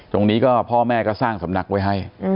ตรงนี้ก็พ่อแม่ก็สร้างสำนักไว้ให้